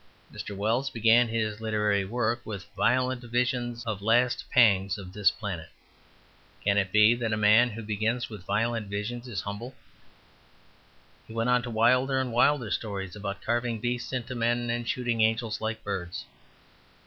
Mr. Wells began his literary work with violent visions visions of the last pangs of this planet; can it be that a man who begins with violent visions is humble? He went on to wilder and wilder stories about carving beasts into men and shooting angels like birds.